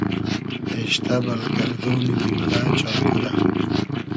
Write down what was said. اېشتۂ بئل گئردۉنی نیلغۂ چاقو رۂ